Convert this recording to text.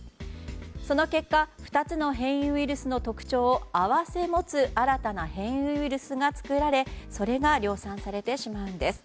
その結果２つの変異ウイルスの特徴を併せ持つ新たな変異ウイルスが作られ、それが量産されてしまうんです。